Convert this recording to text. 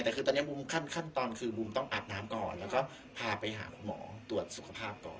แต่คือตอนนี้บูมขั้นตอนคือบูมต้องอาบน้ำก่อนแล้วก็พาไปหาคุณหมอตรวจสุขภาพก่อน